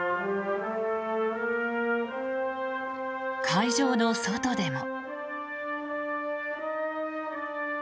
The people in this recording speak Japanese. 会場の外でも。